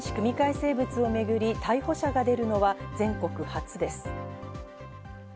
生物をめぐり逮捕者が出るのは全国初です。